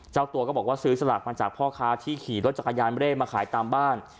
เจ้าตัวก็บอกว่าซื้อสลากมาจากพ่อค้าที่ขี่รถจักรยานเร่มาขายตามบ้าน